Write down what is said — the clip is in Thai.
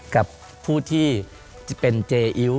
กับผู้ที่จะเป็นเจอิ้ว